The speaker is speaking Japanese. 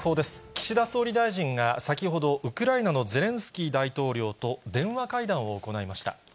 岸田総理大臣が先ほど、ウクライナのゼレンスキー大統領と電話会談を行いました。